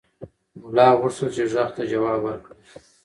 ملا غوښتل چې غږ ته ځواب ورکړي.